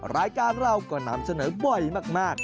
รายการเราก็นำเสนอบ่อยมาก